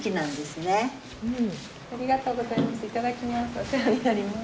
ありがとうございます。